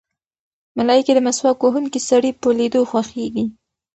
ملایکې د مسواک وهونکي سړي په لیدو خوښېږي.